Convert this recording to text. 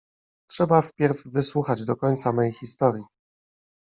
Trzeba wpierw wysłuchać do końca mej historii.